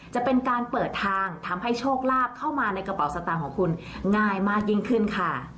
จะเป็นการเปิดทางทำให้โชคลาภเข้ามาในกระเป๋าสตางค์ของคุณง่ายมากยิ่งขึ้นค่ะ